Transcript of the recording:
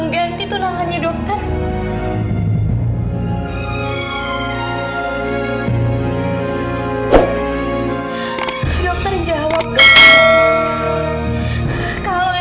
ngeliat dokter karena jantung ini adalah